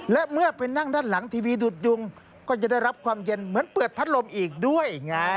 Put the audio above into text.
และเมื่อไปนั่งด้านหลังทีวีดูดยุงก็จะได้รับความเย็นเหมือนเปิดพัดลมอีกด้วยไง